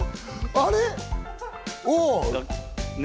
あれ？